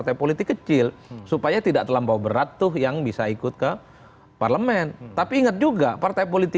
tapi telah berlalu